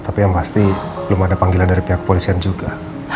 tapi yang pasti belum ada panggilan dari pihak kepolisian juga